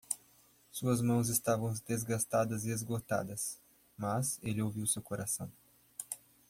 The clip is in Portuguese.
Suas mãos estavam desgastadas e esgotadas, mas ele ouviu seu coração.